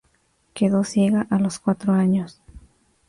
Quedó ciega a los cuatro años.